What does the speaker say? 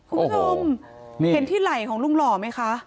คุณผู้ชมเห็นที่ไหล่ของลุงหล่อไหมคะ